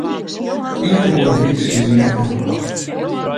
Ien oere wyks is net genôch.